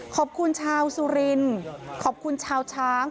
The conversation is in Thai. ขอบคุณชาวสุรินขอบคุณชาวช้าง